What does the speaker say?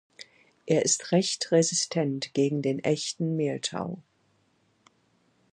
Er ist recht resistent gegen den Echten Mehltau.